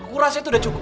aku rasa itu udah cukup